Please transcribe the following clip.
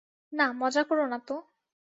না, মজা কোরো না তো।